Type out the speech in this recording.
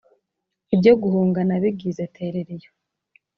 ibyo guhunga nabigize terera iyo,